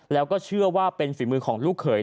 แล้วก็เชื่อว่าเป็นฝีมือของลูกเขย